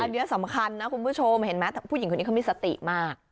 อันนี้สำคัญนะคุณผู้ชมเห็นไหมผู้หญิงคนนี้เขามีสติมาก